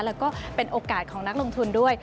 แล้วก็เป็นโอกาสของนักลงทุนด้วย